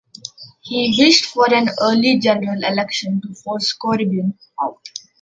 He wished for an early general election to force Corbyn out.